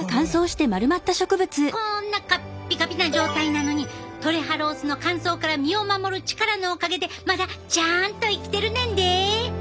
こんなカッピカピな状態なのにトレハロースの乾燥から身を守る力のおかげでまだちゃんと生きてるねんで。